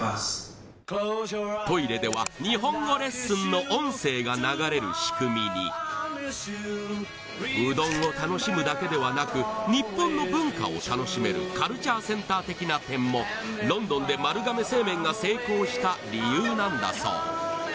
トイレでは日本語レッスンの音声が流れる仕組みにうどんを楽しむだけではなく日本の文化を楽しめるカルチャーセンター的な点もロンドンで丸亀製麺が成功した理由なんだそう